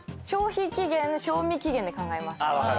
消費期限賞味期限で考えます。